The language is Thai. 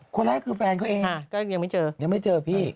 คนแรกคือแฟนเค้าเองก็ยังไม่เจอ